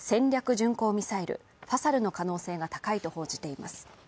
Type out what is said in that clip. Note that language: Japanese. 巡航ミサイル・ファサルの可能性が高いと報じています。